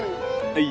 はい。